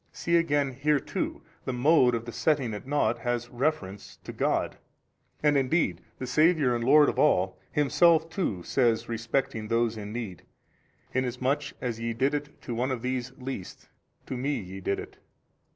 See again here too the mode of the setting at nought has reference to God. And indeed the Saviour and Lord of all Himself too says respecting those in need, Inasmuch as ye did it to one of these least, to Me ye did it.